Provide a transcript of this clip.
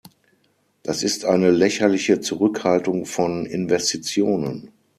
Das ist eine lächerliche Zurückhaltung von Investitionen!